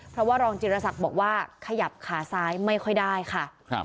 เพราะว่ารองจิรษักบอกว่าขยับขาซ้ายไม่ค่อยได้ค่ะ